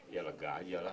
ya lega aja lah